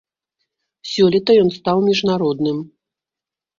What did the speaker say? Сёлета ён стаў міжнародным.